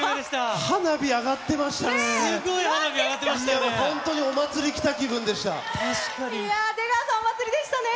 花火上がってましたね。